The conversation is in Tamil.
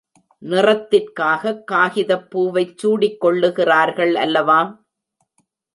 நிறத்திற்காகக் காகிதப் பூவைச் சூடிக் கொள்ளுகிறார்கள் அல்லவா?